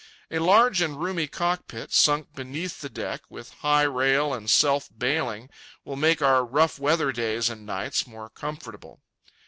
A large and roomy cockpit, sunk beneath the deck, with high rail and self bailing, will make our rough weather days and nights more comfortable.